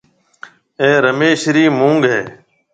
اَي رميش رِي مونڱ هيَ۔